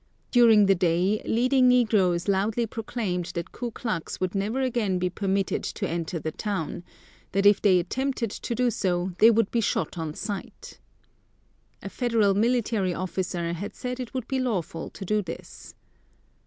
During the day leading negroes loudly proclaimed that Ku Klux would never again be permitted to enter the town; that if they attempted to do so, they would be shot on sight. A federal military officer had said it would be lawful to do this.